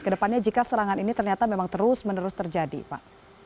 kedepannya jika serangan ini ternyata memang terus menerus terjadi pak